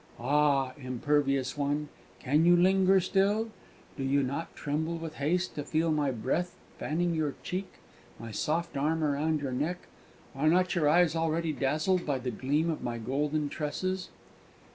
Ah! impervious one, can you linger still? Do you not tremble with haste to feel my breath fanning your cheek, my soft arm around your neck? Are not your eyes already dazzled by the gleam of my golden tresses?"